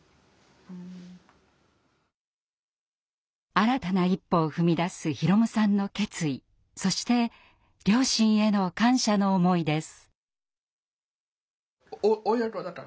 新たな一歩を踏み出す宏夢さんの決意そして両親への感謝の思いです。